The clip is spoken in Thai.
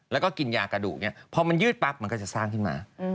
แล้วก็กินยากระดูกเนี่ยพอมันยืดปั๊บมันก็จะสร้างขึ้นมา